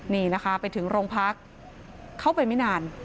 นี่นะคะไปถึงโรงพักเข้าไปไม่นาน